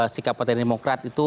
sikap partai demokrat itu